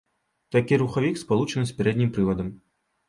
Такі рухавік спалучаны з пярэднім прывадам.